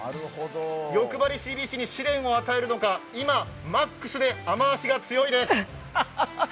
欲張りＣＢＣに試練を与えるのか今、マックスで雨足が強いです。